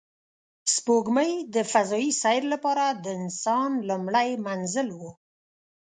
سپوږمۍ د فضایي سیر لپاره د انسان لومړی منزل و